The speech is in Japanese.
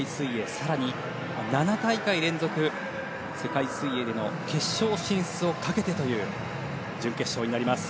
更に、７大会連続世界水泳での決勝進出をかけてという準決勝になります。